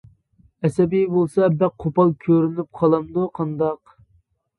ئەسەبى بولسا بەك قوپال كۆرۈنۈپ قالامدۇ، قانداق. ؟!